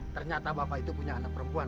ternyata bapak itu punya anak perempuan